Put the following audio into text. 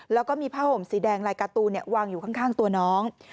แล้วก็มีผ้าห่มสีแดงลายการ์ตูนวางอยู่ข้างตัวน้อง